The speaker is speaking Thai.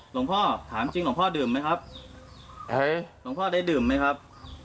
หลวงพ่อถามจริงหลวงพ่อดื่มไหมครับหลวงพ่อได้ดื่มไหมครับ